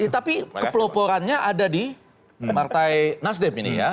tapi kepeloporannya ada di partai nasdem ini ya